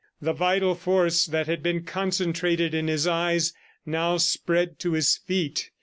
The vital force that had been concentrated in his eyes, now spread to his feet